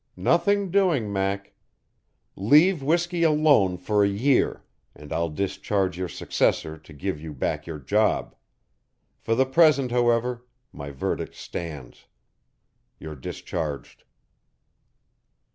"Nothing doing, Mac. Leave whiskey alone for a year and I'll discharge your successor to give you back your job. For the present however, my verdict stands. You're discharged."